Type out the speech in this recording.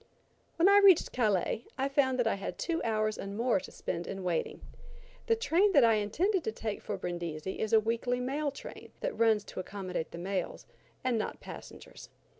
When I reached Calais, I found that I had two hours and more to spend in waiting. The train that I intended to take for Brindisi is a weekly mail train that runs to accommodate the mails and not passengers.